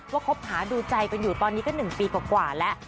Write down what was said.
ว่าเขาผ่านดูใจเป็นอยู่ตอนนี้ก็๑ปีกว่าและ